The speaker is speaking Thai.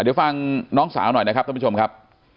เดี๋ยวฟังน้องสาวหน่อยนะครับท่านผู้ชมครับ